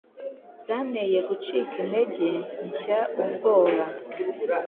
Byanteye gucika intege nshya ubwoba,